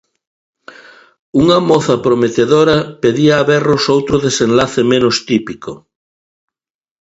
Unha moza prometedora pedía a berros outro desenlace menos "típico".